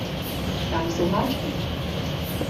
Tam jsou háčky.